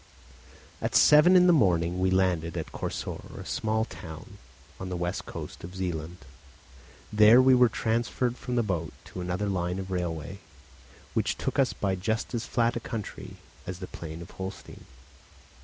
At seven in the morning we landed at Korsor, a small town on the west coast of Zealand. There we were transferred from the boat to another line of railway, which took us by just as flat a country as the plain of Holstein.